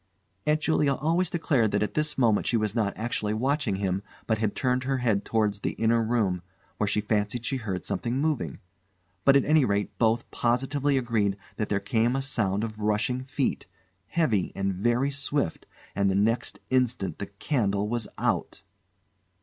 Aunt Julia always declared that at this moment she was not actually watching him, but had turned her head towards the inner room, where she fancied she heard something moving; but, at any rate, both positively agreed that there came a sound of rushing feet, heavy and very swift and the next instant the candle was out!